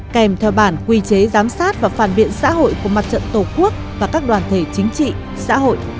kèm theo bản quy chế giám sát và phản biện xã hội của mặt trận tổ quốc và các đoàn thể chính trị xã hội